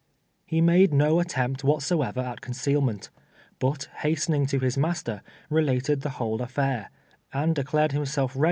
He made no at tempt whatever at concealment, but hastening to his master, related the whole affair, and declared himself SLAVE DKR'ERS.